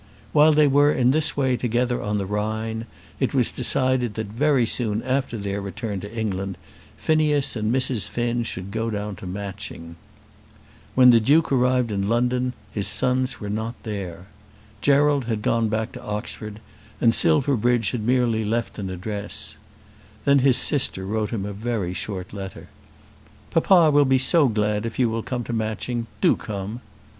While they were in this way together on the Rhine it was decided that very soon after their return to England Phineas and Mrs. Finn should go down to Matching. When the Duke arrived in London his sons were not there. Gerald had gone back to Oxford, and Silverbridge had merely left an address. Then his sister wrote him a very short letter. "Papa will be so glad if you will come to Matching. Do come."